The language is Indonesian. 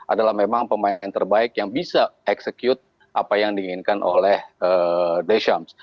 adalah memang pemain terbaik yang bisa execute apa yang diinginkan oleh deshams